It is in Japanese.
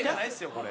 これ？